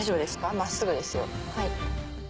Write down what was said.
真っすぐですよ。